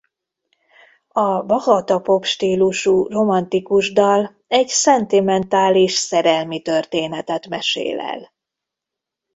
A bachata-pop stílusú romantikus dal egy szentimentális szerelmi történetet mesél el.